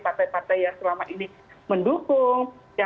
partai partai yang selama ini mendukung